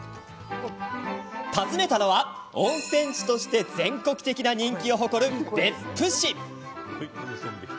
訪ねたのは温泉地として全国的な人気を誇る別府市。